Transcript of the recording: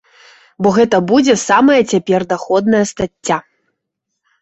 Бо гэта будзе самая цяпер даходная стацця.